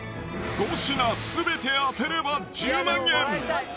５品全て当てれば１０万円！